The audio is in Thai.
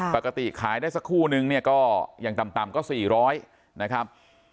ค่ะปกติขายได้สักคู่หนึ่งเนี้ยก็อย่างต่ำต่ำก็สี่ร้อยนะครับ